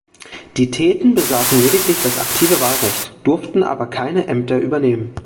Die Theten besaßen lediglich das aktive Wahlrecht, durften aber keine Ämter übernehmen.